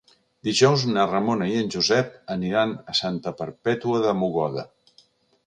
Dijous na Ramona i en Josep aniran a Santa Perpètua de Mogoda.